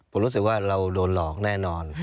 ผมรู้สึกว่าเราโดนหลอกแน่นอน